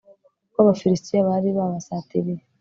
kuko abafilisiti bari babasatiriye